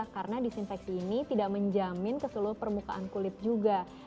karena disinfecting ini tidak menjamin ke seluruh permukaan kulit juga